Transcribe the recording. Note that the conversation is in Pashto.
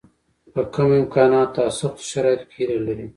په کمو امکاناتو او سختو شرایطو کې هیله لري.